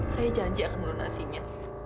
saya janji akan melunasinya